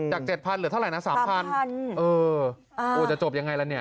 ๗๐๐เหลือเท่าไหร่นะ๓๐๐เออจะจบยังไงล่ะเนี่ย